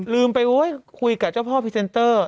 ลืมไปคุยกับเจ้าพ่อพรีเซนเตอร์